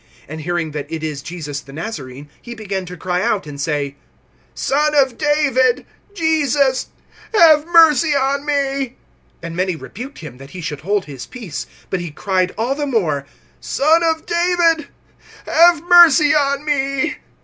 (47)And hearing that it is Jesus the Nazarene, he began to cry out, and say: Son of David, Jesus, have mercy on me. (48)And many rebuked him, that he should hold his peace. But he cried all the more: Son of David, have mercy on me.